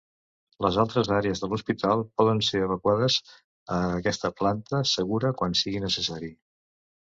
Les altres àrees de l'hospital poden ser evacuades a aquesta planta segura quan sigui necessari.